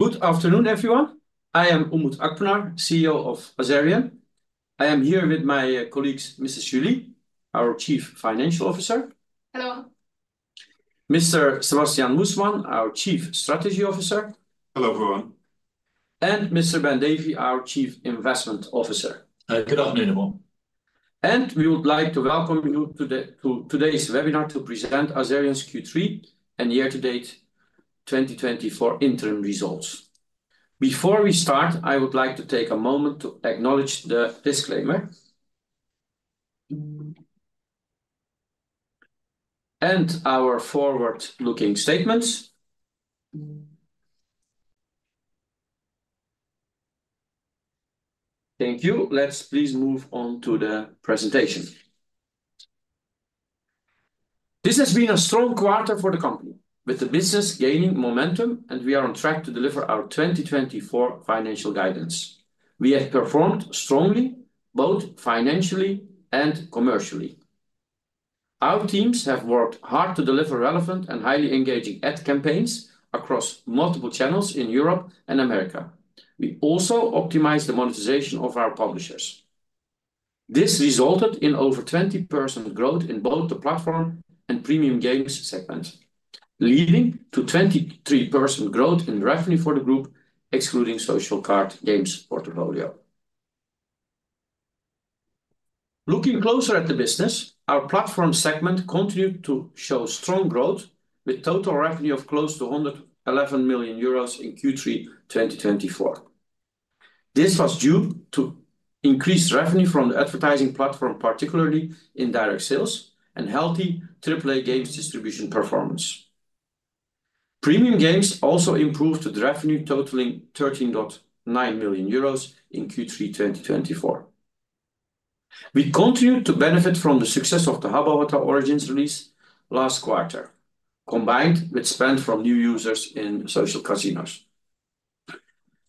Good afternoon, everyone. I am Umut Akpinar, CEO of Azerion. I am here with my colleagues, Mrs. Julie, our Chief Financial Officer. Hello. Mr. Sebastiaan Moesman, our Chief Strategy Officer. Hello, everyone. Mr. Ben Davey, our Chief Investment Officer. Good afternoon, everyone. We would like to welcome you to today's webinar to present Azerion's Q3 and year-to-date 2024 interim results. Before we start, I would like to take a moment to acknowledge the disclaimer and our forward-looking statements. Thank you. Let's please move on to the presentation. This has been a strong quarter for the company, with the business gaining momentum, and we are on track to deliver our 2024 financial guidance. We have performed strongly, both financially and commercially. Our teams have worked hard to deliver relevant and highly engaging ad campaigns across multiple channels in Europe and America. We also optimized the monetization of our publishers. This resulted in over 20% growth in both the platform and premium games segments, leading to 23% growth in revenue for the group, excluding social card games portfolio. Looking closer at the business, our platform segment continued to show strong growth, with total revenue of close to 111 million euros in Q3 2024. This was due to increased revenue from the advertising platform, particularly in direct sales, and healthy AAA games distribution performance. Premium games also improved the revenue, totaling 13.9 million euros in Q3 2024. We continued to benefit from the success of the Habbo Hotel: Origins release last quarter, combined with spend from new users in social casinos.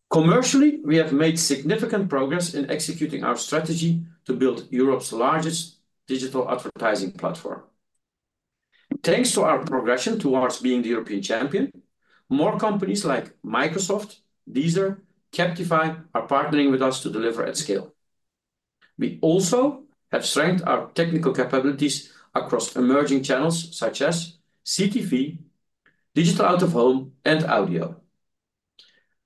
Commercially, we have made significant progress in executing our strategy to build Europe's largest digital advertising platform. Thanks to our progression towards being the European champion, more companies like Microsoft, Deezer, and Captify are partnering with us to deliver at scale. We also have strengthened our technical capabilities across emerging channels such as CTV, digital out-of-home, and audio,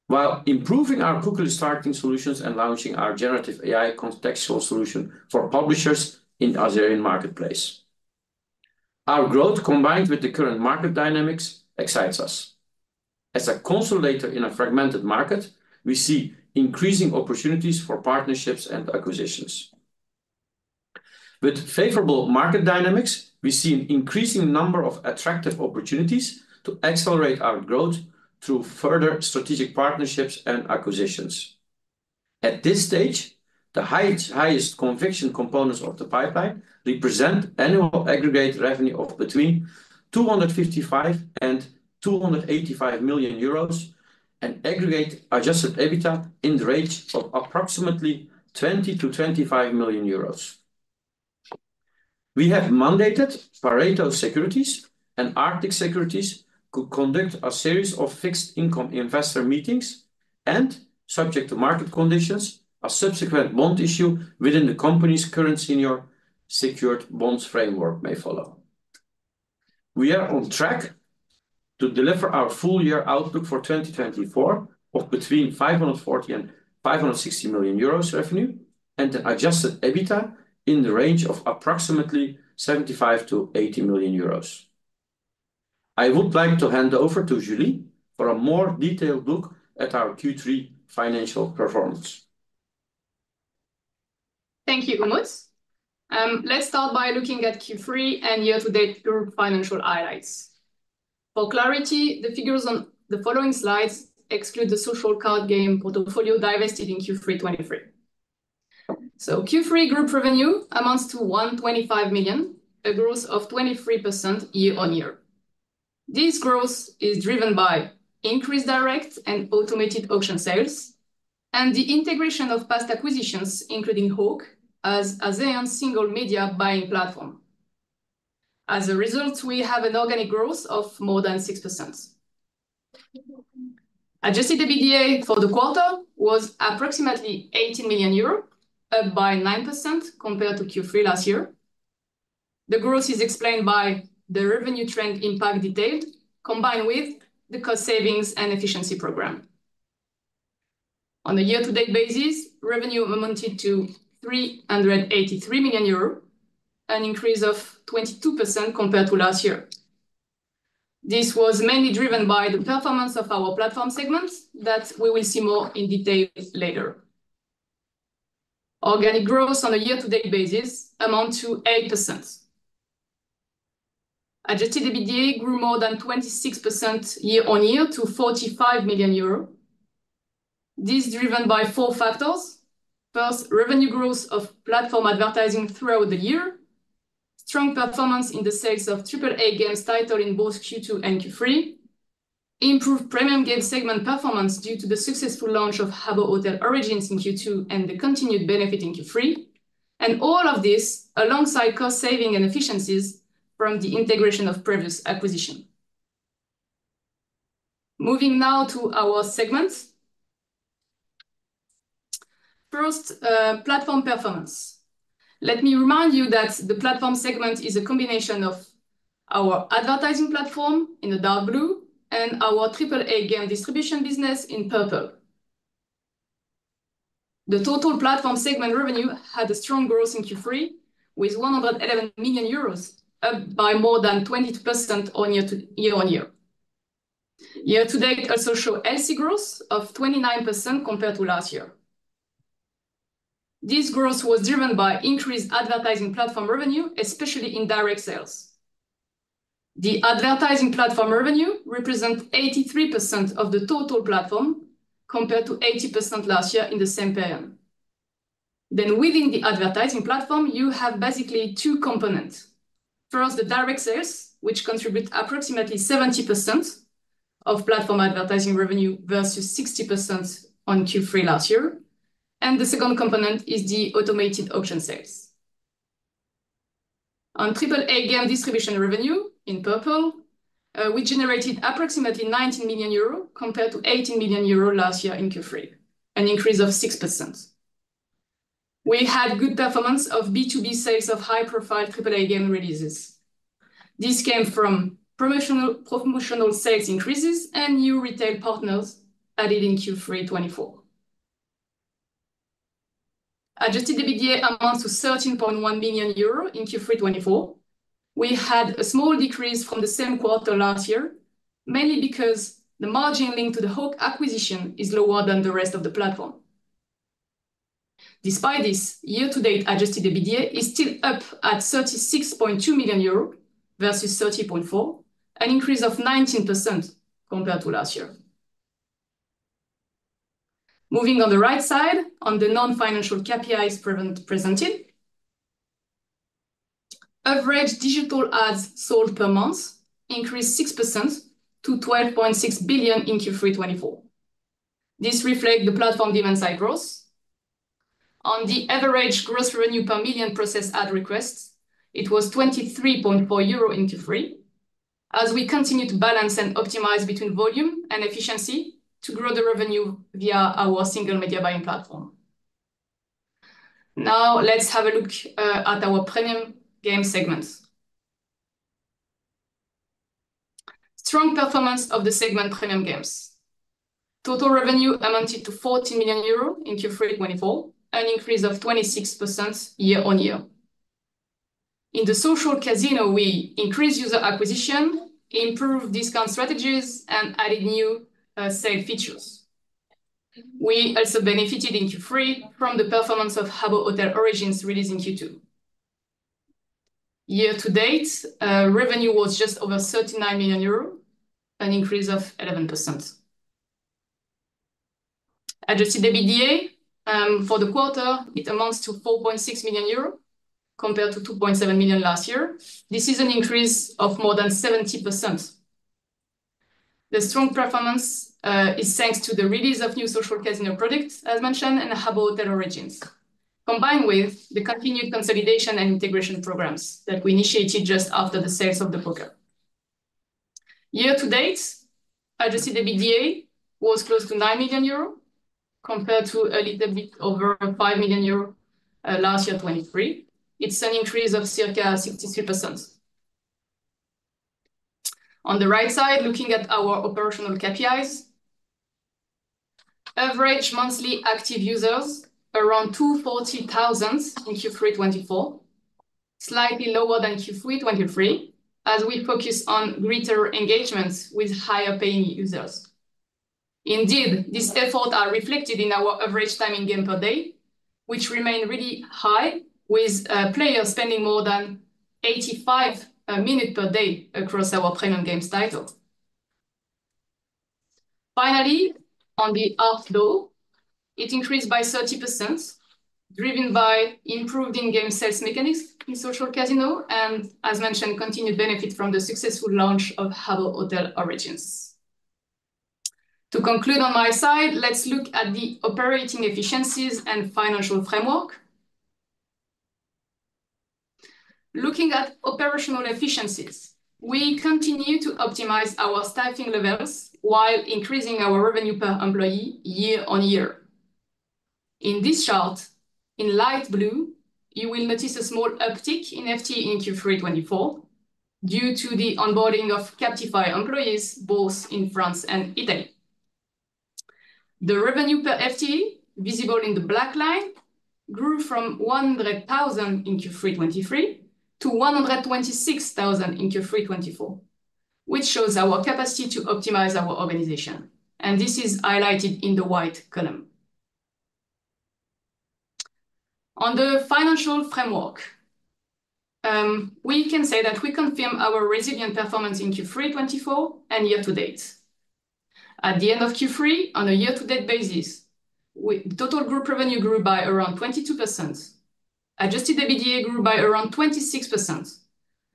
while improving our cookieless targeting solutions and launching our generative AI contextual solution for publishers in the Azerion Marketplace. Our growth, combined with the current market dynamics, excites us. As a consolidator in a fragmented market, we see increasing opportunities for partnerships and acquisitions. With favorable market dynamics, we see an increasing number of attractive opportunities to accelerate our growth through further strategic partnerships and acquisitions. At this stage, the highest conviction components of the pipeline represent annual aggregate revenue of between 255 million and 285 million euros and aggregate Adjusted EBITDA in the range of approximately 20 million to 25 million euros. We have mandated Pareto Securities and Arctic Securities to conduct a series of fixed-income investor meetings, and subject to market conditions, a subsequent bond issue within the company's current senior secured bonds framework may follow. We are on track to deliver our full-year outlook for 2024 of between 540 and 560 million euros revenue and an Adjusted EBITDA in the range of approximately 75 million to 80 million euros. I would like to hand over to Julie for a more detailed look at our Q3 financial performance. Thank you, Umut. Let's start by looking at Q3 and year-to-date group financial highlights. For clarity, the figures on the following slides exclude the social card game portfolio divested in Q3 2023. So Q3 group revenue amounts to 125 million, a growth of 23% year-on-year. This growth is driven by increased direct and automated auction sales and the integration of past acquisitions, including Hawk as Azerion's single media buying platform. As a result, we have an organic growth of more than 6%. Adjusted EBITDA for the quarter was approximately 18 million euros, up by 9% compared to Q3 last year. The growth is explained by the revenue trend impact detailed, combined with the cost savings and efficiency program. On a year-to-date basis, revenue amounted to 383 million euros, an increase of 22% compared to last year. This was mainly driven by the performance of our platform segments that we will see more in detail later. Organic growth on a year-to-date basis amounts to 8%. Adjusted EBITDA grew more than 26% year-on-year to 45 million euro. This is driven by four factors. First, revenue growth of platform advertising throughout the year, strong performance in the sales of AAA games titles in both Q2 and Q3, improved premium game segment performance due to the successful launch of Habbo Hotel Origins in Q2 and the continued benefit in Q3, and all of this alongside cost savings and efficiencies from the integration of previous acquisitions. Moving now to our segments. First, platform performance. Let me remind you that the platform segment is a combination of our advertising platform in the dark blue and our AAA game distribution business in purple. The total platform segment revenue had a strong growth in Q3 with 111 million euros, up by more than 22% year-on-year. Year-to-date also showed healthy growth of 29% compared to last year. This growth was driven by increased advertising platform revenue, especially in direct sales. The advertising platform revenue represents 83% of the total platform compared to 80% last year in the same period. Then, within the advertising platform, you have basically two components. First, the direct sales, which contribute approximately 70% of platform advertising revenue versus 60% on Q3 last year. And the second component is the automated auction sales. On AAA game distribution revenue in purple, we generated approximately 19 million euro compared to 18 million euro last year in Q3, an increase of 6%. We had good performance of B2B sales of high-profile AAA game releases. This came from promotional sales increases and new retail partners added in Q3 2024. Adjusted EBITDA amounts to 13.1 million euro in Q3 2024. We had a small decrease from the same quarter last year, mainly because the margin linked to the Hawk acquisition is lower than the rest of the platform. Despite this, year-to-date adjusted EBITDA is still up at 36.2 million euro versus 30.4, an increase of 19% compared to last year. Moving on the right side, on the non-financial KPIs presented, average digital ads sold per month increased 6% to 12.6 billion in Q3 2024. This reflects the platform demand-side growth. On the average gross revenue per million processed ad requests, it was 23.4 euro in Q3, as we continue to balance and optimize between volume and efficiency to grow the revenue via our single media buying platform. Now, let's have a look at our premium game segments. Strong performance of the segment premium games. Total revenue amounted to 14 million euros in Q3 2024, an increase of 26% year-on-year. In the social casino, we increased user acquisition, improved discount strategies, and added new sale features. We also benefited in Q3 from the performance of Habbo Hotel: Origins released in Q2. Year-to-date revenue was just over 39 million euros, an increase of 11%. Adjusted EBITDA for the quarter amounts to 4.6 million euro compared to 2.7 million last year. This is an increase of more than 70%. The strong performance is thanks to the release of new social casino products, as mentioned, and Habbo Hotel: Origins, combined with the continued consolidation and integration programs that we initiated just after the sales of the poker. Year-to-date adjusted EBITDA was close to 9 million euro compared to a little bit over 5 million euro last year 2023. It's an increase of circa 63%. On the right side, looking at our operational KPIs, average monthly active users around 240,000 in Q3 2024, slightly lower than Q3 2023, as we focus on greater engagement with higher-paying users. Indeed, these efforts are reflected in our average time in game per day, which remains really high, with players spending more than 85 minutes per day across our premium games titles. Finally, on the upside, it increased by 30%, driven by improved in-game sales mechanics in social casino and, as mentioned, continued benefit from the successful launch of Habbo Hotel: Origins. To conclude on my side, let's look at the operating efficiencies and financial framework. Looking at operational efficiencies, we continue to optimize our staffing levels while increasing our revenue per employee year-on-year. In this chart, in light blue, you will notice a small uptick in FTE in Q3 2024 due to the onboarding of Captify employees both in France and Italy. The revenue per FTE visible in the black line grew from 100,000 in Q3 2023 to 126,000 in Q3 2024, which shows our capacity to optimize our organization, and this is highlighted in the white column. On the financial framework, we can say that we confirm our resilient performance in Q3 2024 and year-to-date. At the end of Q3, on a year-to-date basis, total group revenue grew by around 22%, adjusted EBITDA grew by around 26%,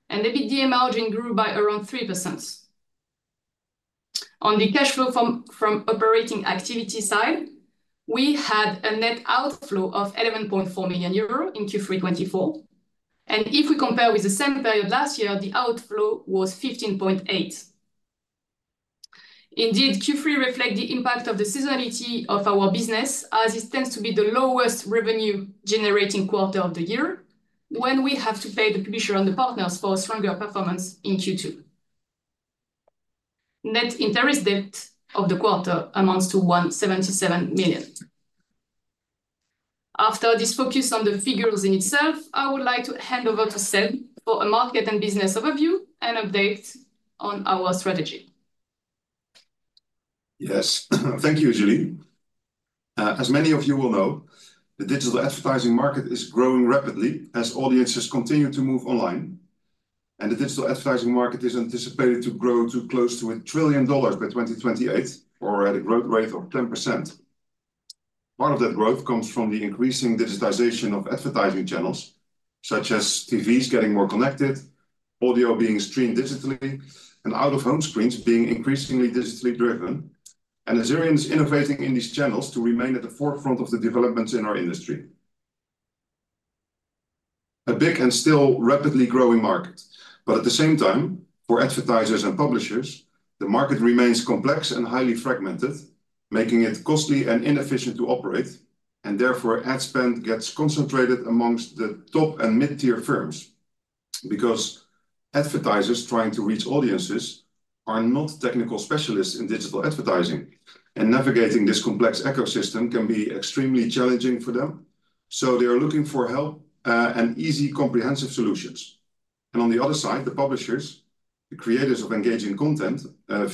and EBITDA margin grew by around 3%. On the cash flow from operating activity side, we had a net outflow of 11.4 million euros in Q3 2024, and if we compare with the same period last year, the outflow was 15.8 million. Indeed, Q3 reflects the impact of the seasonality of our business, as it tends to be the lowest revenue-generating quarter of the year when we have to pay the publishers and the partners for stronger performance in Q2. Net interest debt of the quarter amounts to 177 million. After this focus on the figures in itself, I would like to hand over to Seb for a market and business overview and update on our strategy. Yes, thank you, Julie. As many of you will know, the digital advertising market is growing rapidly as audiences continue to move online, and the digital advertising market is anticipated to grow to close to $1 trillion by 2028, or at a growth rate of 10%. Part of that growth comes from the increasing digitization of advertising channels, such as TVs getting more connected, audio being streamed digitally, and out-of-home screens being increasingly digitally driven, and Azerion is innovating in these channels to remain at the forefront of the developments in our industry. A big and still rapidly growing market, but at the same time, for advertisers and publishers, the market remains complex and highly fragmented, making it costly and inefficient to operate, and therefore ad spend gets concentrated amongst the top and mid-tier firms because advertisers trying to reach audiences are not technical specialists in digital advertising, and navigating this complex ecosystem can be extremely challenging for them. So they are looking for help and easy, comprehensive solutions. And on the other side, the publishers, the creators of engaging content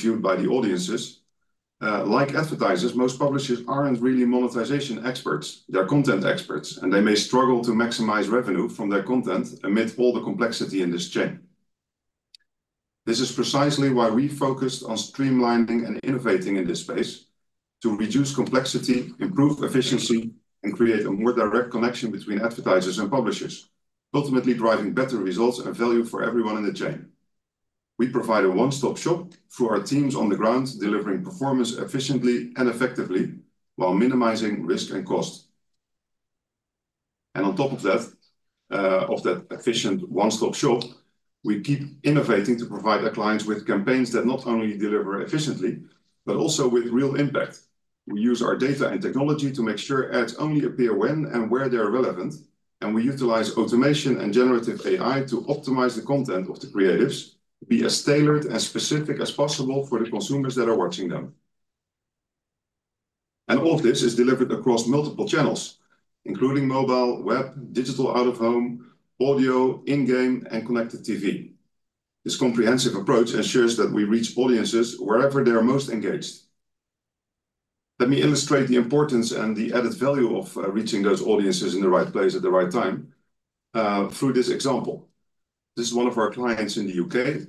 viewed by the audiences, like advertisers, most publishers aren't really monetization experts. They're content experts, and they may struggle to maximize revenue from their content amid all the complexity in this chain. This is precisely why we focused on streamlining and innovating in this space to reduce complexity, improve efficiency, and create a more direct connection between advertisers and publishers, ultimately driving better results and value for everyone in the chain. We provide a one-stop shop through our teams on the ground, delivering performance efficiently and effectively while minimizing risk and cost. And on top of that efficient one-stop shop, we keep innovating to provide our clients with campaigns that not only deliver efficiently, but also with real impact. We use our data and technology to make sure ads only appear when and where they're relevant, and we utilize automation and generative AI to optimize the content of the creatives to be as tailored and specific as possible for the consumers that are watching them. And all of this is delivered across multiple channels, including mobile, web, digital out-of-home, audio, in-game, and connected TV. This comprehensive approach ensures that we reach audiences wherever they are most engaged. Let me illustrate the importance and the added value of reaching those audiences in the right place at the right time through this example. This is one of our clients in the U.K.,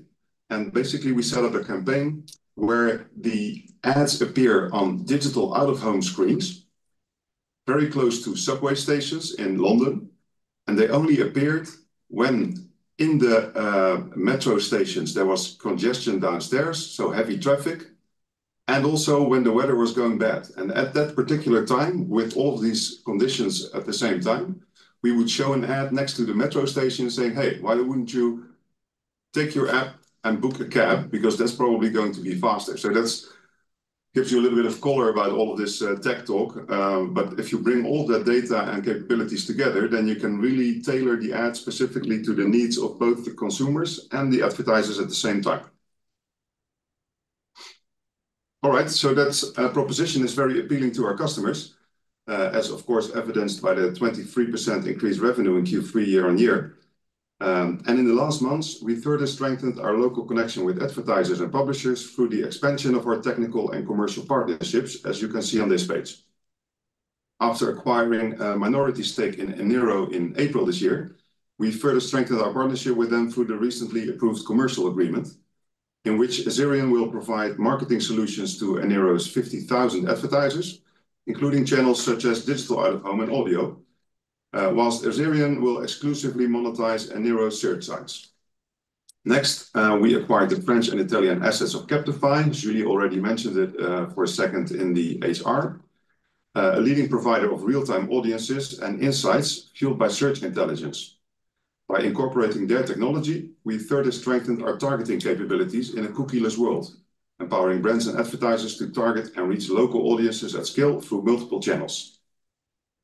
and basically, we set up a campaign where the ads appear on digital out-of-home screens very close to subway stations in London, and they only appeared when in the metro stations there was congestion downstairs, so heavy traffic, and also when the weather was going bad. And at that particular time, with all of these conditions at the same time, we would show an ad next to the metro station saying, "Hey, why wouldn't you take your app and book a cab? Because that's probably going to be faster." So that gives you a little bit of color about all of this tech talk, but if you bring all the data and capabilities together, then you can really tailor the ad specifically to the needs of both the consumers and the advertisers at the same time. All right, so that proposition is very appealing to our customers, as of course evidenced by the 23% increased revenue in Q3 year-on-year. And in the last months, we further strengthened our local connection with advertisers and publishers through the expansion of our technical and commercial partnerships, as you can see on this page. After acquiring a minority stake in Eniro in April this year, we further strengthened our partnership with them through the recently approved commercial agreement in which Azerion will provide marketing solutions to Eniro's 50,000 advertisers, including channels such as digital out-of-home and audio, while Azerion will exclusively monetize Eniro's search sites. Next, we acquired the French and Italian assets of Captify. Julie already mentioned it for a second in her, a leading provider of real-time audiences and insights fueled by search intelligence. By incorporating their technology, we further strengthened our targeting capabilities in a cookieless world, empowering brands and advertisers to target and reach local audiences at scale through multiple channels.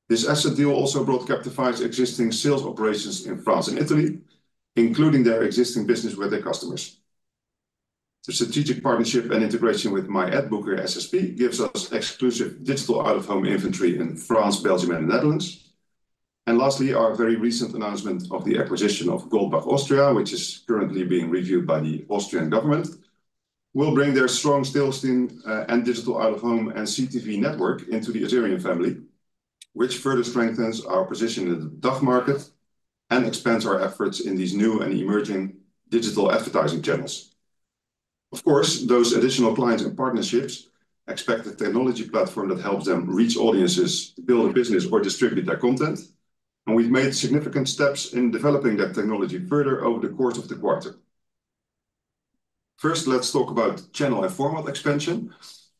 This asset deal also brought Captify's existing sales operations in France and Italy, including their existing business with their customers. The strategic partnership and integration with MyAdbooker SSP gives us exclusive digital out-of-home inventory in France, Belgium, and the Netherlands. And lastly, our very recent announcement of the acquisition of Goldbach Austria, which is currently being reviewed by the Austrian government, will bring their strong sales team and digital out-of-home and CTV network into the Azerion family, which further strengthens our position in the DACH market and expands our efforts in these new and emerging digital advertising channels. Of course, those additional clients and partnerships expect the technology platform that helps them reach audiences, build a business, or distribute their content, and we've made significant steps in developing that technology further over the course of the quarter. First, let's talk about channel and format expansion.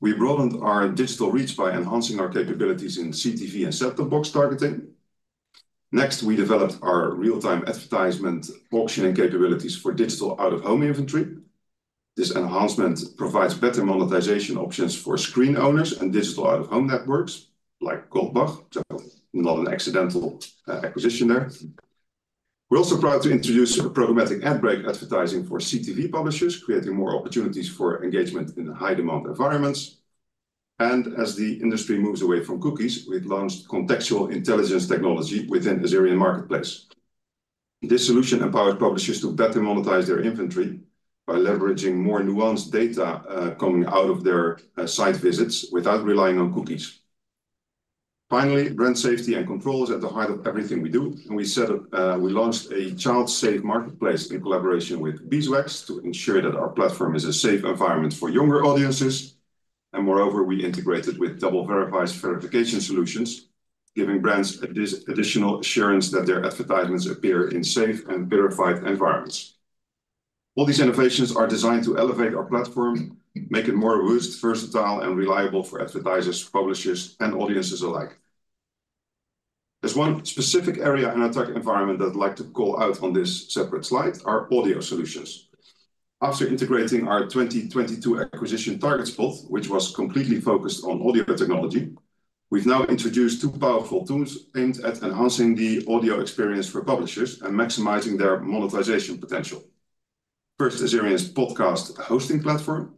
We broadened our digital reach by enhancing our capabilities in CTV and set-top box targeting. Next, we developed our real-time advertisement auctioning capabilities for digital out-of-home inventory. This enhancement provides better monetization options for screen owners and digital out-of-home networks like Goldbach. So not an accidental acquisition there. We're also proud to introduce programmatic ad break advertising for CTV publishers, creating more opportunities for engagement in high-demand environments. And as the industry moves away from cookies, we launched contextual intelligence technology within the Azerion marketplace. This solution empowers publishers to better monetize their inventory by leveraging more nuanced data coming out of their site visits without relying on cookies. Finally, brand safety and control is at the heart of everything we do, and we launched a child-safe marketplace in collaboration with Beeswax to ensure that our platform is a safe environment for younger audiences. Moreover, we integrated with DoubleVerify's verification solutions, giving brands additional assurance that their advertisements appear in safe and verified environments. All these innovations are designed to elevate our platform, make it more robust, versatile, and reliable for advertisers, publishers, and audiences alike. There's one specific area in our tech environment that I'd like to call out on this separate slide: our audio solutions. After integrating our 2022 acquisition Targetspot, which was completely focused on audio technology, we've now introduced two powerful tools aimed at enhancing the audio experience for publishers and maximizing their monetization potential. First, Azerion's podcast hosting platform.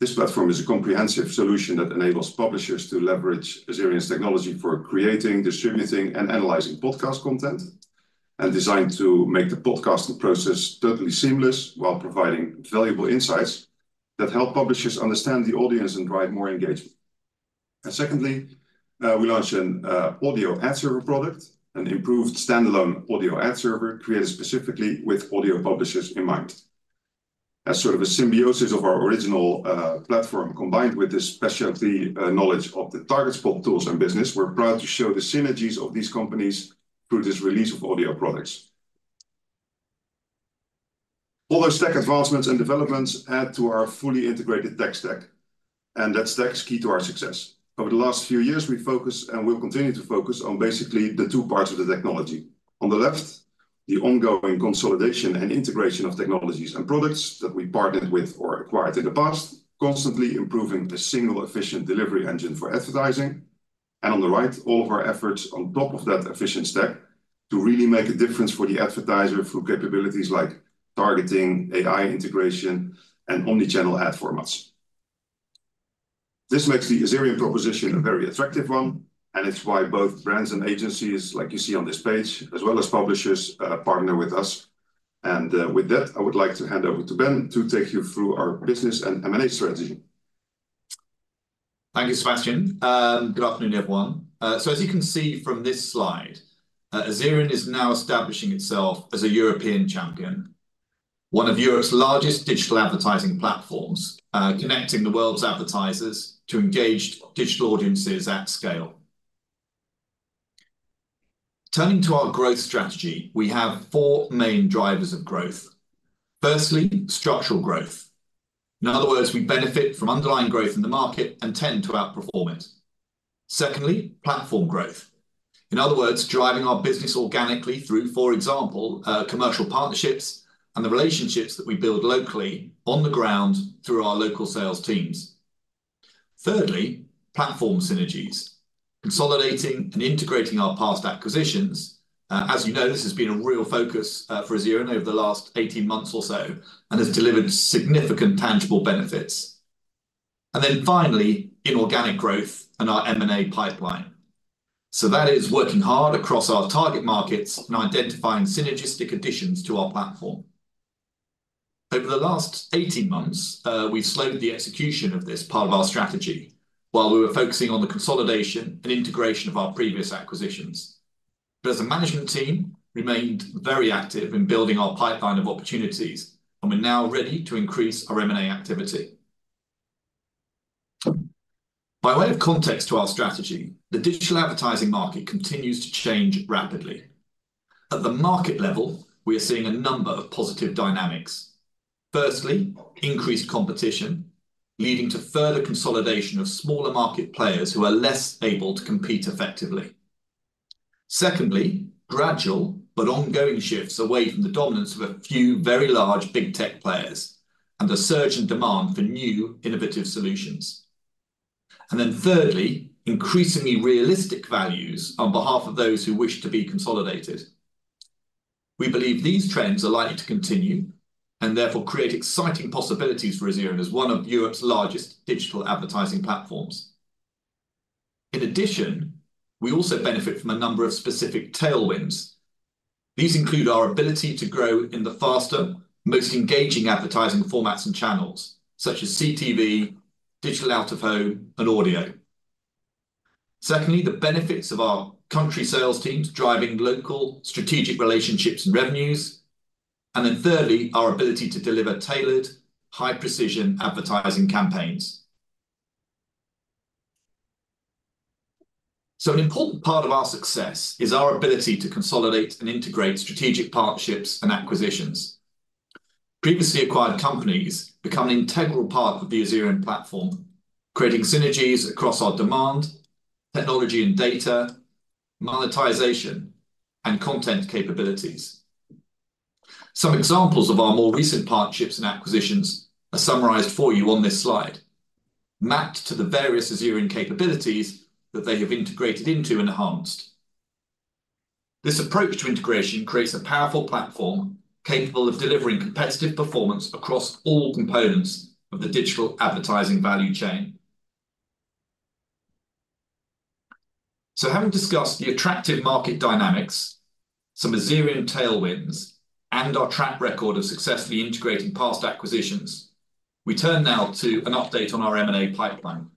This platform is a comprehensive solution that enables publishers to leverage Azerion's technology for creating, distributing, and analyzing podcast content, and designed to make the podcasting process totally seamless while providing valuable insights that help publishers understand the audience and drive more engagement. And secondly, we launched an audio ad server product, an improved standalone audio ad server created specifically with audio publishers in mind. As sort of a symbiosis of our original platform combined with the specialty knowledge of the Targetspot tools and business, we're proud to show the synergies of these companies through this release of audio products. All those tech advancements and developments add to our fully integrated tech stack, and that stack is key to our success. Over the last few years, we focus and will continue to focus on basically the two parts of the technology. On the left, the ongoing consolidation and integration of technologies and products that we partnered with or acquired in the past, constantly improving a single efficient delivery engine for advertising. And on the right, all of our efforts on top of that efficient stack to really make a difference for the advertiser through capabilities like targeting, AI integration, and omnichannel ad formats. This makes the Azerion proposition a very attractive one, and it's why both brands and agencies, like you see on this page, as well as publishers, partner with us. And with that, I would like to hand over to Ben to take you through our business and M&A strategy. Thank you, Sebastiaan. Good afternoon, everyone. So as you can see from this slide, Azerion is now establishing itself as a European champion, one of Europe's largest digital advertising platforms, connecting the world's advertisers to engaged digital audiences at scale. Turning to our growth strategy, we have four main drivers of growth. Firstly, structural growth. In other words, we benefit from underlying growth in the market and tend to outperform it. Secondly, platform growth. In other words, driving our business organically through, for example, commercial partnerships and the relationships that we build locally on the ground through our local sales teams. Thirdly, platform synergies, consolidating and integrating our past acquisitions. As you know, this has been a real focus for Azerion over the last 18 months or so and has delivered significant tangible benefits. And then finally, inorganic growth and our M&A pipeline. So that is working hard across our target markets and identifying synergistic additions to our platform. Over the last 18 months, we've slowed the execution of this part of our strategy while we were focusing on the consolidation and integration of our previous acquisitions. But as a management team, we remained very active in building our pipeline of opportunities, and we're now ready to increase our M&A activity. By way of context to our strategy, the digital advertising market continues to change rapidly. At the market level, we are seeing a number of positive dynamics. Firstly, increased competition leading to further consolidation of smaller market players who are less able to compete effectively. Secondly, gradual but ongoing shifts away from the dominance of a few very large big tech players and the surge in demand for new innovative solutions. And then thirdly, increasingly realistic valuations on behalf of those who wish to be consolidated. We believe these trends are likely to continue and therefore create exciting possibilities for Azerion as one of Europe's largest digital advertising platforms. In addition, we also benefit from a number of specific tailwinds. These include our ability to grow in the fastest, most engaging advertising formats and channels, such as CTV, digital out-of-home, and audio. Secondly, the benefits of our country sales teams driving local strategic relationships and revenues. And then thirdly, our ability to deliver tailored, high-precision advertising campaigns. So an important part of our success is our ability to consolidate and integrate strategic partnerships and acquisitions. Previously acquired companies become an integral part of the Azerion platform, creating synergies across our demand, technology and data, monetization, and content capabilities. Some examples of our more recent partnerships and acquisitions are summarized for you on this slide, mapped to the various Azerion capabilities that they have integrated into and enhanced. This approach to integration creates a powerful platform capable of delivering competitive performance across all components of the digital advertising value chain. Having discussed the attractive market dynamics, some Azerion tailwinds, and our track record of successfully integrating past acquisitions, we turn now to an update on our M&A pipeline.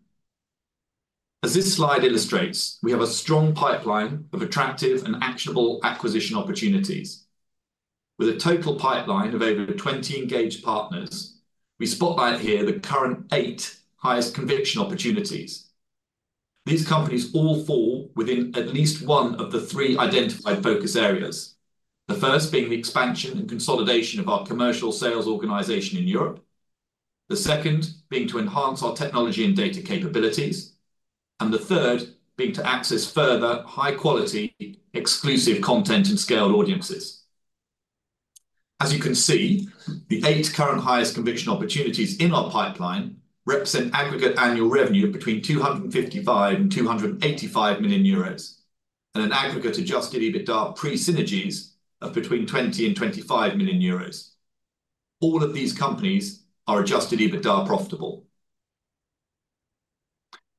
As this slide illustrates, we have a strong pipeline of attractive and actionable acquisition opportunities. With a total pipeline of over 20 engaged partners, we spotlight here the current eight highest conviction opportunities. These companies all fall within at least one of the three identified focus areas, the first being the expansion and consolidation of our commercial sales organization in Europe, the second being to enhance our technology and data capabilities, and the third being to access further high-quality exclusive content and scaled audiences. As you can see, the eight current highest conviction opportunities in our pipeline represent aggregate annual revenue between 255 million and 285 million euros and an aggregate Adjusted EBITDA pre-synergies of between 20 million and 25 million euros. All of these companies are Adjusted EBITDA profitable.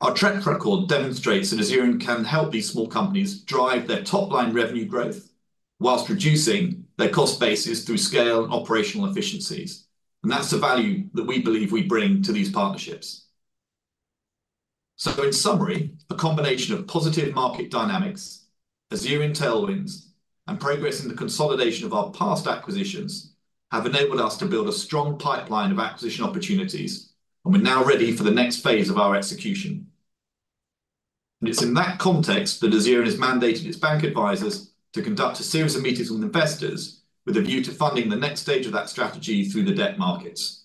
Our track record demonstrates that Azerion can help these small companies drive their top-line revenue growth while reducing their cost basis through scale and operational efficiencies. That's the value that we believe we bring to these partnerships. So in summary, a combination of positive market dynamics, Azerion tailwinds, and progress in the consolidation of our past acquisitions have enabled us to build a strong pipeline of acquisition opportunities, and we're now ready for the next phase of our execution. And it's in that context that Azerion has mandated its bank advisors to conduct a series of meetings with investors with a view to funding the next stage of that strategy through the debt markets.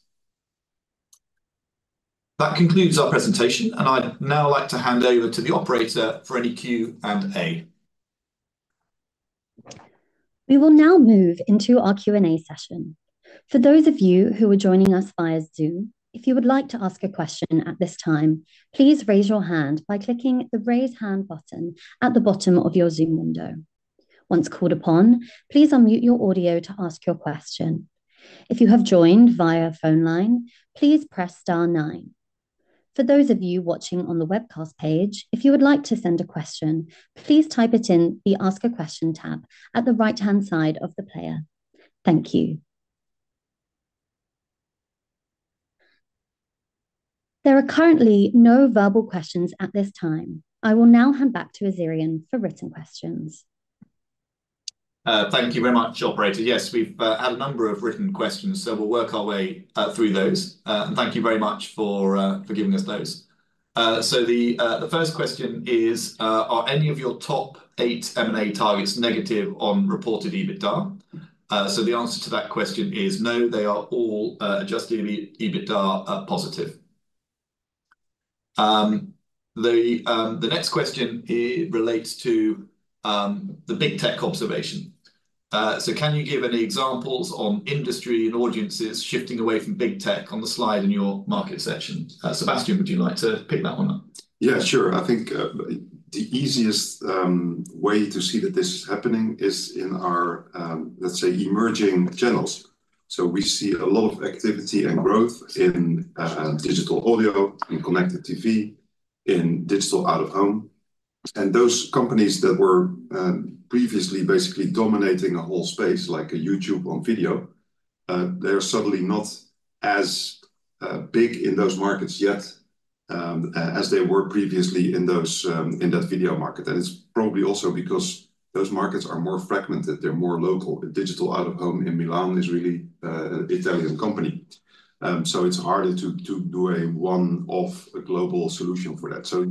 That concludes our presentation, and I'd now like to hand over to the operator for any Q&A. We will now move into our Q&A session. For those of you who are joining us via Zoom, if you would like to ask a question at this time, please raise your hand by clicking the raise hand button at the bottom of your Zoom window. Once called upon, please unmute your audio to ask your question. If you have joined via phone line, please press star nine. For those of you watching on the webcast page, if you would like to send a question, please type it in the ask a question tab at the right-hand side of the player. Thank you. There are currently no verbal questions at this time. I will now hand back to Azerion for written questions. Thank you very much, operator. Yes, we've had a number of written questions, so we'll work our way through those. And thank you very much for giving us those. So the first question is, are any of your top eight M&A targets negative on reported EBITDA? So the answer to that question is no, they are all Adjusted EBITDA positive. The next question relates to the big tech observation. So can you give any examples on industry and audiences shifting away from big tech on the slide in your market section? Sebastiaan, would you like to pick that one up? Yeah, sure. I think the easiest way to see that this is happening is in our, let's say, emerging channels. So we see a lot of activity and growth in digital audio and connected TV, in digital out-of-home. And those companies that were previously basically dominating a whole space, like a YouTube on video, they are suddenly not as big in those markets yet as they were previously in that video market. And it's probably also because those markets are more fragmented. They're more local. Digital out-of-home in Milan is really an Italian company. So it's harder to do a one-off global solution for that. So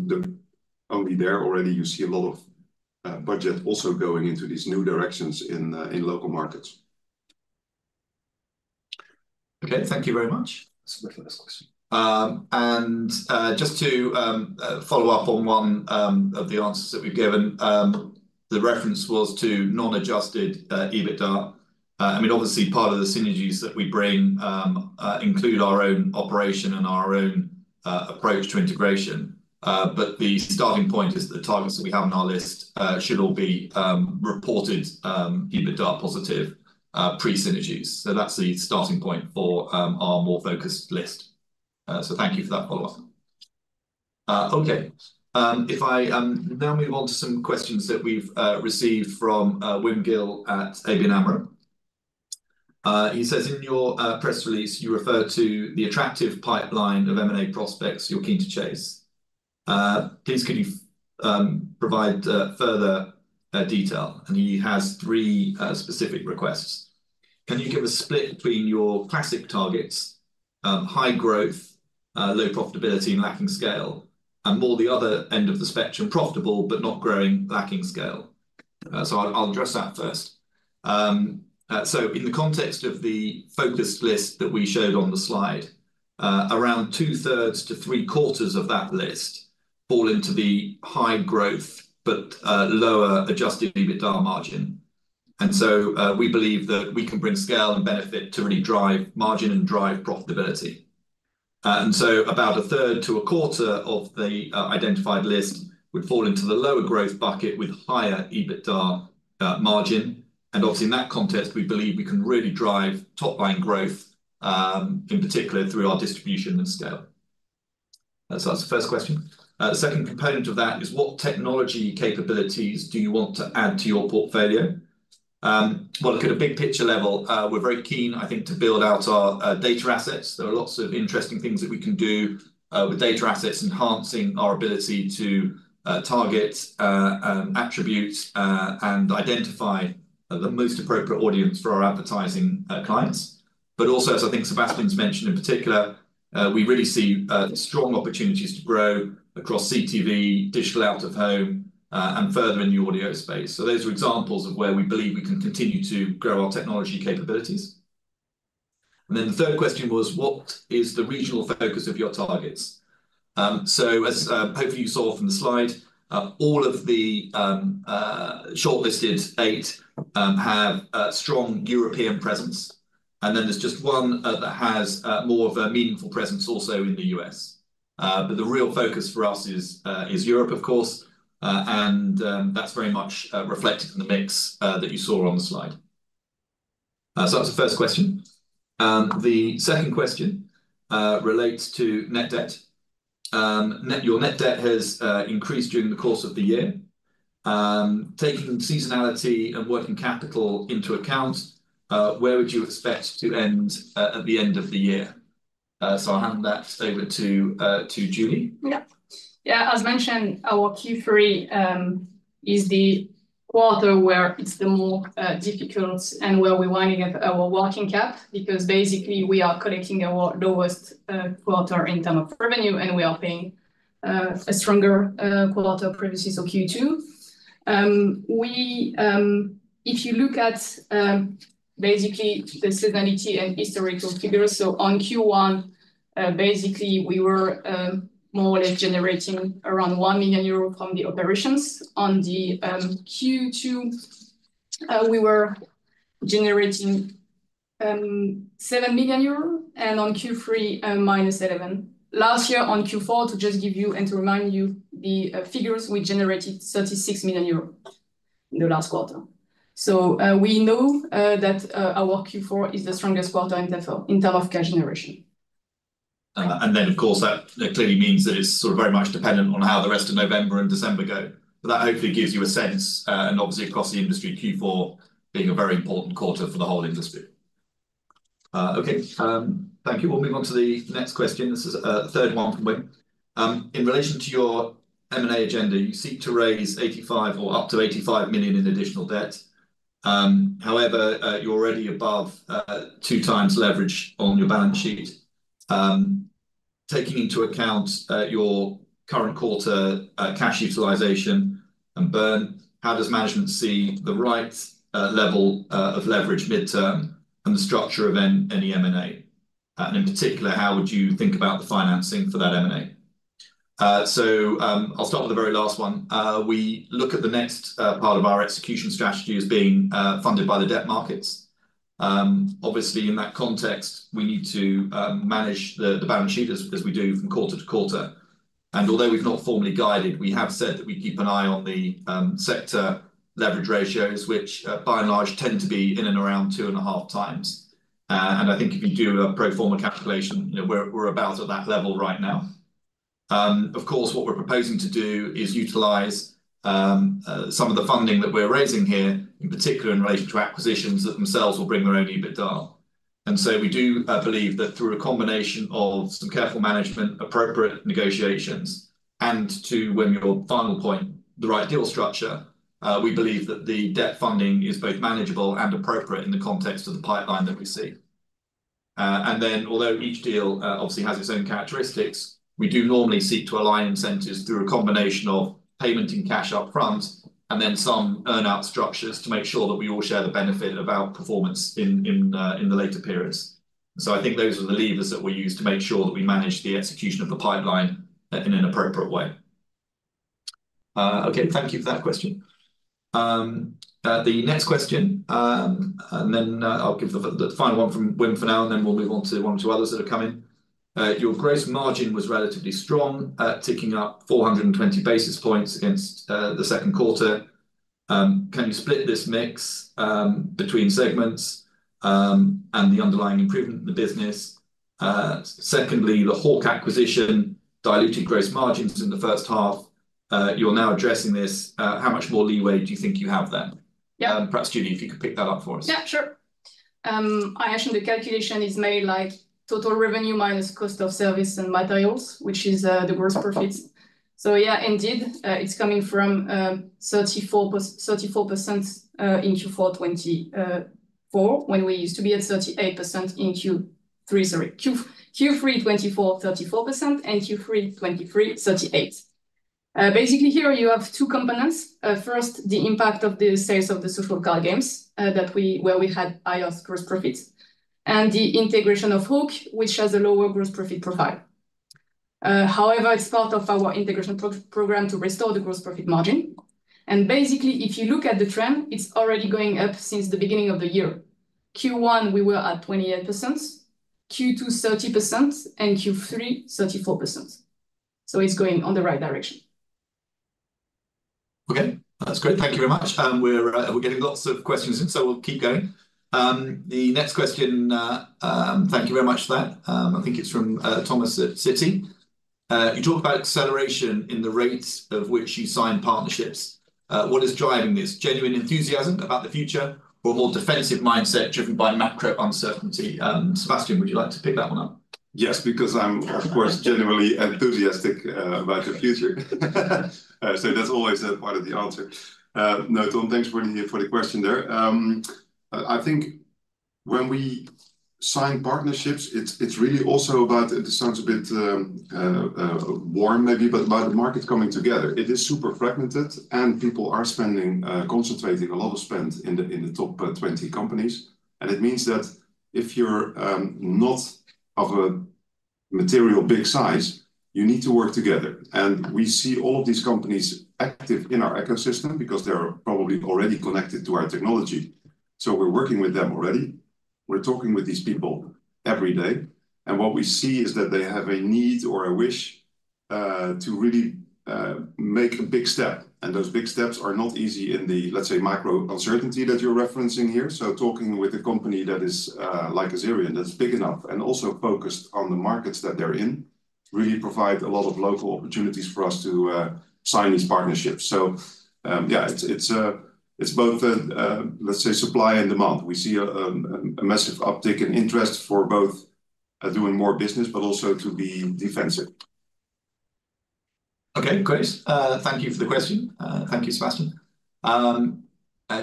only there already you see a lot of budget also going into these new directions in local markets. Okay, thank you very much. And just to follow up on one of the answers that we've given, the reference was to non-adjusted EBITDA. I mean, obviously, part of the synergies that we bring include our own operation and our own approach to integration. But the starting point is that the targets that we have on our list should all be reported EBITDA positive pre-synergies. So that's the starting point for our more focused list. So thank you for that follow-up. Okay, if I now move on to some questions that we've received from Wim Gille at ABN AMRO. He says, in your press release, you refer to the attractive pipeline of M&A prospects you're keen to chase. Please, could you provide further detail? And he has three specific requests. Can you give a split between your classic targets, high growth, low profitability, and lacking scale, and more the other end of the spectrum, profitable but not growing, lacking scale? So I'll address that first. So in the context of the focused list that we showed on the slide, around two-thirds to three-quarters of that list fall into the high growth but lower Adjusted EBITDA margin. And so we believe that we can bring scale and benefit to really drive margin and drive profitability. And so about a third to a quarter of the identified list would fall into the lower growth bucket with higher EBITDA margin. And obviously, in that context, we believe we can really drive top-line growth, in particular through our distribution and scale. So that's the first question. The second component of that is, what technology capabilities do you want to add to your portfolio? Look at a big picture level, we're very keen, I think, to build out our data assets. There are lots of interesting things that we can do with data assets, enhancing our ability to target attributes and identify the most appropriate audience for our advertising clients. But also, as I think Sebastiaan's mentioned in particular, we really see strong opportunities to grow across CTV, digital out-of-home, and further in the audio space. Those are examples of where we believe we can continue to grow our technology capabilities. Then the third question was, what is the regional focus of your targets? As hopefully you saw from the slide, all of the shortlisted eight have a strong European presence. Then there's just one that has more of a meaningful presence also in the U.S. The real focus for us is Europe, of course. And that's very much reflected in the mix that you saw on the slide. So that's the first question. The second question relates to net debt. Your net debt has increased during the course of the year. Taking seasonality and working capital into account, where would you expect to end at the end of the year? So I'll hand that over to Julie. Yeah. Yeah, as mentioned, our Q3 is the quarter where it's the more difficult and where we're winding up our working cap because basically we are collecting our lowest quarter in terms of revenue, and we are paying a stronger quarter previously. So Q2, if you look at basically the seasonality and historical figures, so on Q1, basically we were more or less generating around 1 million euro from the operations. On the Q2, we were generating 7 million euros, and on Q3, minus 11 million. Last year, on Q4, to just give you and to remind you the figures, we generated 36 million euros in the last quarter. So we know that our Q4 is the strongest quarter in terms of cash generation. And then, of course, that clearly means that it's sort of very much dependent on how the rest of November and December go. But that hopefully gives you a sense, and obviously across the industry, Q4 being a very important quarter for the whole industry. Okay, thank you. We'll move on to the next question. This is a third one from Wim. In relation to your M&A agenda, you seek to raise 85 million or up to 85 million in additional debt. However, you're already above two times leverage on your balance sheet. Taking into account your current quarter cash utilization and burn, how does management see the right level of leverage midterm and the structure of any M&A? And in particular, how would you think about the financing for that M&A? So I'll start with the very last one. We look at the next part of our execution strategy as being funded by the debt markets. Obviously, in that context, we need to manage the balance sheet as we do from quarter to quarter. Although we've not formally guided, we have said that we keep an eye on the sector leverage ratios, which by and large tend to be in and around two and a half times. I think if you do a pro forma calculation, we're about at that level right now. Of course, what we're proposing to do is utilize some of the funding that we're raising here, in particular in relation to acquisitions that themselves will bring their own EBITDA. So we do believe that through a combination of some careful management, appropriate negotiations, and to Wim your final point, the right deal structure, we believe that the debt funding is both manageable and appropriate in the context of the pipeline that we see. And then, although each deal obviously has its own characteristics, we do normally seek to align incentives through a combination of payment in cash upfront and then some earn-out structures to make sure that we all share the benefit of our performance in the later periods. So I think those are the levers that we use to make sure that we manage the execution of the pipeline in an appropriate way. Okay, thank you for that question. The next question, and then I'll give the final one from Wim for now, and then we'll move on to one or two others that have come in. Your gross margin was relatively strong, ticking up 420 basis points against the second quarter. Can you split this mix between segments and the underlying improvement in the business? Secondly, the Hawk acquisition diluted gross margins in the first half. You're now addressing this. How much more leeway do you think you have there? Perhaps, Julie, if you could pick that up for us. Yeah, sure. I assume the calculation is made like total revenue minus cost of service and materials, which is the gross profits. So yeah, indeed, it's coming from 34% in Q4 2024 when we used to be at 38% in Q3, sorry, Q3 2024, 34%, and Q3 2023, 38%. Basically, here you have two components. First, the impact of the sales of the social card games where we had higher gross profits and the integration of Hawk, which has a lower gross profit profile. However, it's part of our integration program to restore the gross profit margin. And basically, if you look at the trend, it's already going up since the beginning of the year. Q1, we were at 28%, Q2, 30%, and Q3, 34%. So it's going in the right direction. Okay, that's great. Thank you very much. We're getting lots of questions in, so we'll keep going. The next question, thank you very much for that. I think it's from Thomas at Citi. You talk about acceleration in the rates of which you sign partnerships. What is driving this? Genuine enthusiasm about the future or a more defensive mindset driven by macro uncertainty? Sebastiaan, would you like to pick that one up? Yes, because I'm, of course, genuinely enthusiastic about the future. So that's always part of the answer. No, Tom, thanks for the question there. I think when we sign partnerships, it's really also about, it sounds a bit warm maybe, but about the market coming together. It is super fragmented, and people are spending, concentrating a lot of spend in the top 20 companies. And it means that if you're not of a material big size, you need to work together. And we see all of these companies active in our ecosystem because they're probably already connected to our technology. So we're working with them already. We're talking with these people every day. And what we see is that they have a need or a wish to really make a big step. And those big steps are not easy in the, let's say, macro uncertainty that you're referencing here. So talking with a company that is like Azerion, that's big enough and also focused on the markets that they're in, really provides a lot of local opportunities for us to sign these partnerships. So yeah, it's both, let's say, supply and demand. We see a massive uptick in interest for both doing more business, but also to be defensive. Okay, great. Thank you for the question. Thank you, Sebastiaan.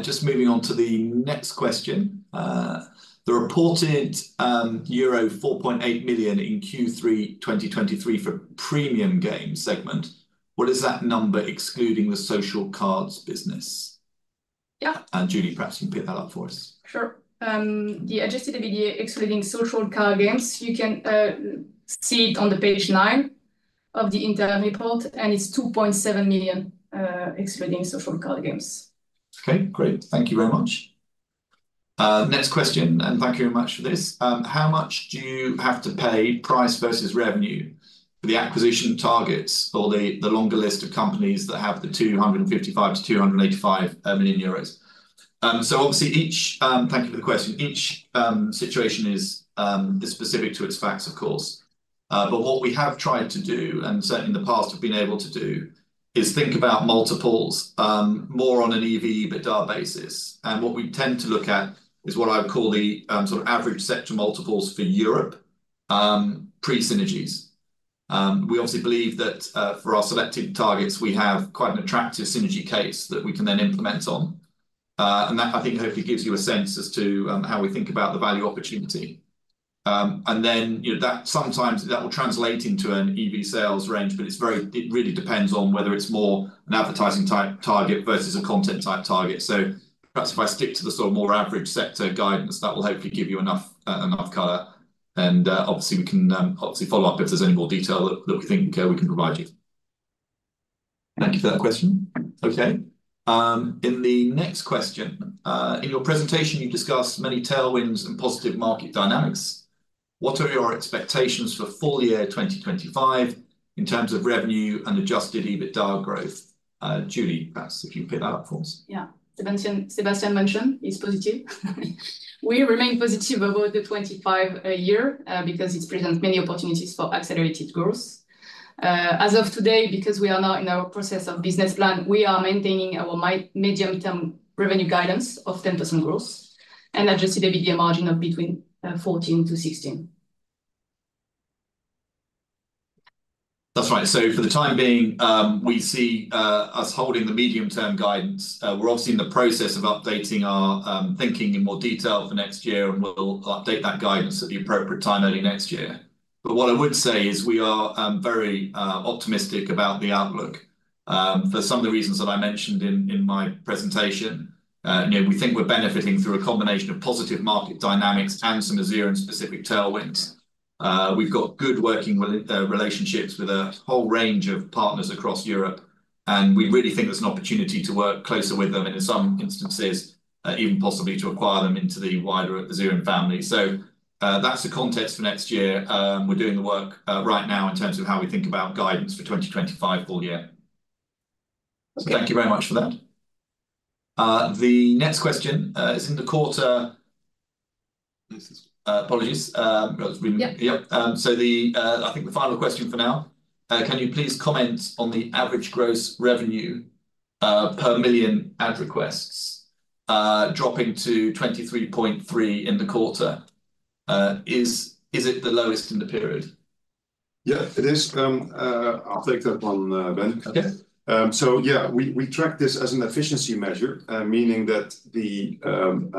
Just moving on to the next question. The reported euro 4.8 million in Q3 2023 for premium game segment, what is that number excluding the social casino business? Yeah. Julie, perhaps you can pick that up for us. Sure. The adjusted EBITDA excluding social card games, you can see it on page nine of the internal report, and it's 2.7 million excluding social card games. Okay, great. Thank you very much. Next question, and thank you very much for this. How much do you have to pay? Price versus revenue for the acquisition targets or the longer list of companies that have the 255 million to 285 million euros? So obviously, thank you for the question. Each situation is specific to its facts, of course. But what we have tried to do, and certainly in the past have been able to do, is think about multiples more on an EBITDA basis. And what we tend to look at is what I would call the sort of average sector multiples for Europe, pre-synergies. We obviously believe that for our selected targets, we have quite an attractive synergy case that we can then implement on. And that, I think, hopefully gives you a sense as to how we think about the value opportunity. Then that sometimes will translate into an EBITDA sales range, but it really depends on whether it's more an advertising type target versus a content type target. Perhaps if I stick to the sort of more average sector guidance, that will hopefully give you enough color. Obviously, we can follow up if there's any more detail that we think we can provide you. Thank you for that question. Okay. In the next question, in your presentation, you discussed many tailwinds and positive market dynamics. What are your expectations for full year 2025 in terms of revenue and Adjusted EBITDA growth? Julie, perhaps if you can pick that up for us. Yeah, Sebastiaan mentioned it's positive. We remain positive about 2025 because it presents many opportunities for accelerated growth. As of today, because we are now in our process of business plan, we are maintaining our medium-term revenue guidance of 10% growth and Adjusted EBITDA margin of between 14% to 16%. That's right. So for the time being, we see us holding the medium-term guidance. We're obviously in the process of updating our thinking in more detail for next year, and we'll update that guidance at the appropriate time early next year. But what I would say is we are very optimistic about the outlook for some of the reasons that I mentioned in my presentation. We think we're benefiting through a combination of positive market dynamics and some Azerion-specific tailwinds. We've got good working relationships with a whole range of partners across Europe, and we really think there's an opportunity to work closer with them in some instances, even possibly to acquire them into the wider Azerion family. So that's the context for next year. We're doing the work right now in terms of how we think about guidance for 2025 full year. Thank you very much for that. The next question is in the quarter. Apologies. Yeah. So I think the final question for now, can you please comment on the average gross revenue per million ad requests dropping to 23.3 in the quarter? Is it the lowest in the period? Yeah, it is. I'll take that one, Ben. So yeah, we track this as an efficiency measure, meaning that the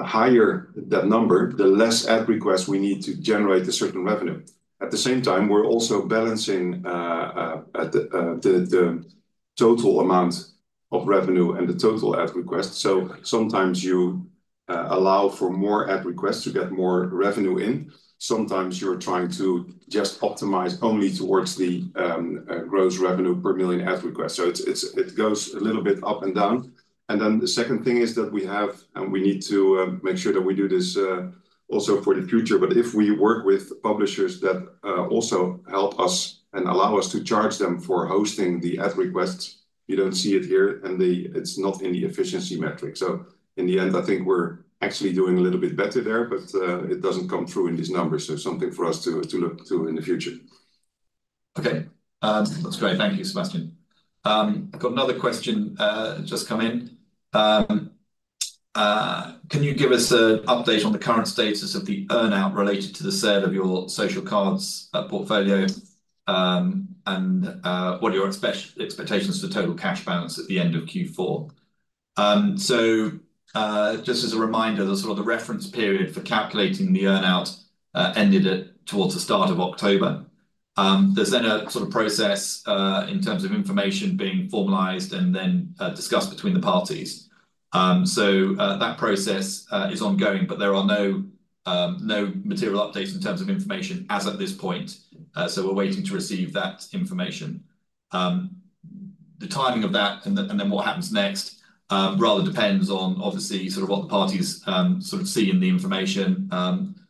higher that number, the less ad requests we need to generate a certain revenue. At the same time, we're also balancing the total amount of revenue and the total ad request. So sometimes you allow for more ad requests to get more revenue in. Sometimes you're trying to just optimize only towards the gross revenue per million ad request. So it goes a little bit up and down. And then the second thing is that we have and we need to make sure that we do this also for the future. But if we work with publishers that also help us and allow us to charge them for hosting the ad requests, you don't see it here, and it's not in the efficiency metric. So in the end, I think we're actually doing a little bit better there, but it doesn't come through in these numbers. So something for us to look to in the future. Okay. That's great. Thank you, Sebastiaan. I've got another question just come in. Can you give us an update on the current status of the earn-out related to the sale of your social cards portfolio and what are your expectations for total cash balance at the end of Q4? So just as a reminder, the sort of reference period for calculating the earn-out ended towards the start of October. There's then a sort of process in terms of information being formalized and then discussed between the parties. So that process is ongoing, but there are no material updates in terms of information as of this point. So we're waiting to receive that information. The timing of that and then what happens next rather depends on, obviously, sort of what the parties sort of see in the information.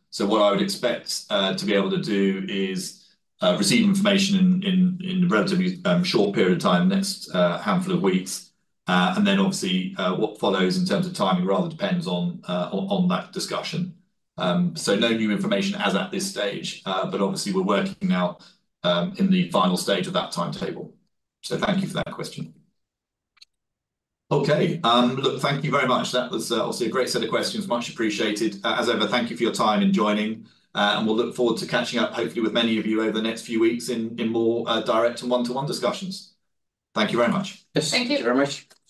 So what I would expect to be able to do is receive information in a relatively short period of time, next handful of weeks. And then, obviously, what follows in terms of timing rather depends on that discussion. So no new information as at this stage, but obviously, we're working now in the final stage of that timetable. So thank you for that question. Okay. Look, thank you very much. That was obviously a great set of questions. Much appreciated. As ever, thank you for your time in joining. And we'll look forward to catching up, hopefully, with many of you over the next few weeks in more direct and one-to-one discussions. Thank you very much. Thank you. Thank you very much.